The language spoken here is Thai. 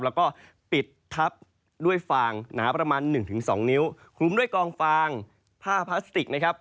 แล้วก็ปิดทับด้วยฟางหนาประมาณหนึ่งถึงสองนิ้วคลุมด้วยกองฟางผ้าพลาสติกนะครับ